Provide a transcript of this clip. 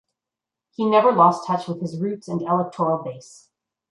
He never lost touch with his roots and electoral base.